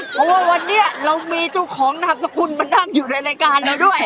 เพราะว่าวันนี้เรามีเจ้าของนามสกุลมานั่งอยู่ในรายการเราด้วย